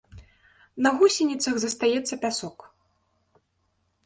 На гусеніцах застаецца пясок.